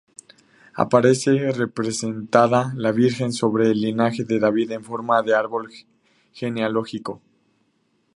Aparece representada la Virgen sobre el linaje de David en forma de árbol genealógico.